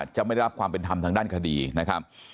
จะไม่ได้รับความเป็นธรรมทางด้านคดีนะครับ